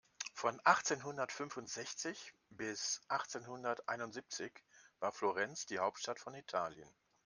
Von achtzehnhundertfünfundsechzig bis achtzehnhunderteinundsiebzig war Florenz die Hauptstadt von Italien.